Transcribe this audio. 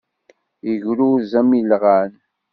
Igrurez, am ilɣan.